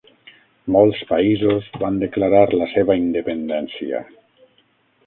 Molts països van declarar la seva independència.